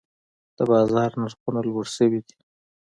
د بازار نرخونه لوړې شوي دي.